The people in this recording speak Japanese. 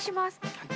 はい。